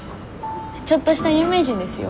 ちょっとした有名人ですよ。